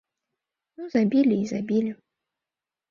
Ну забілі і забілі.